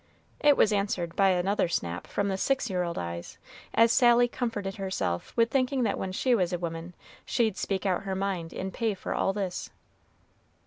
It was answered by another snap from the six year old eyes, as Sally comforted herself with thinking that when she was a woman she'd speak her mind out in pay for all this.